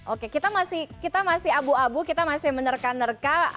oke kita masih abu abu kita masih menerka nerka